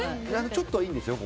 ちょっとはいいんですよ。